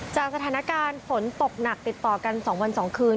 จากสถานการณ์ฝนตกหนักติดต่อกัน๒วัน๒คืน